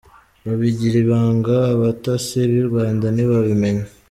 Babigira ibanga abatasi b’i Rwanda ntibabimenya.